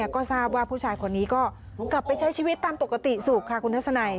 ก็ทราบว่าผู้ชายคนนี้ก็กลับไปใช้ชีวิตตามปกติสุขค่ะคุณทัศนัย